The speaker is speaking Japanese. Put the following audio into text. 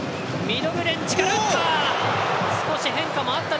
ミドルレンジから打った！